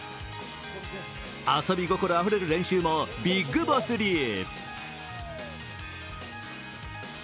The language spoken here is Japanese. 遊び心あふれる練習もビッグボス流。